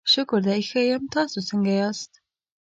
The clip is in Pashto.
شکر دی، ښه یم، تاسو څنګه یاست؟